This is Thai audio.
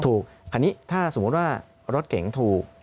ถูกคันนี้ถ้าสมมติว่ารถเก่งถูก